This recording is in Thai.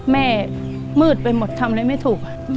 มืดไปหมดทำอะไรไม่ถูก